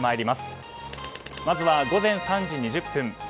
まずは午前３時２０分。